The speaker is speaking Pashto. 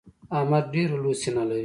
احمد ډېره لو سينه لري.